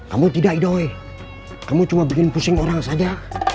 kamu tidak edoy kamu cuma bikin pusing orang saja